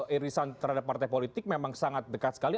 irisan terhadap partai politik memang sangat dekat sekali